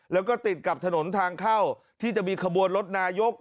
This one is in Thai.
แล้วก็ติดกับถนนทางเข้าที่จะมีขบวนรถนายก